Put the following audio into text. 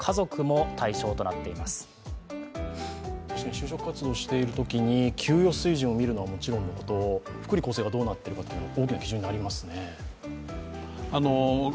就職活動をしているときに給与水準を見るのはもちろんのこともちろんのこと、福利厚生がどうなっているのかというのが大きな基準になりますね。